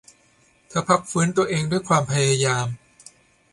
เธอพักฟื้นตัวเองด้วยความพยายาม